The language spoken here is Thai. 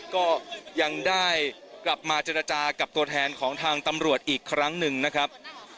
ก็ยังได้กลับมาเจรจากับตัวแทนของทางตำรวจอีกครั้งหนึ่งนะครับ